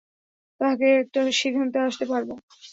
তাহকে একটা সিদ্ধান্তে আসতে পারবো।